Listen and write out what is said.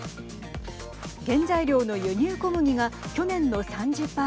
原材料の輸入小麦が去年の３０％